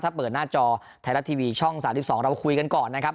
ถ้าเปิดหน้าจอไทยรัฐทีวีช่อง๓๒เราคุยกันก่อนนะครับ